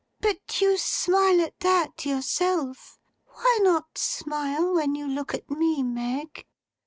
But you smile at that, yourself! Why not smile, when you look at me, Meg?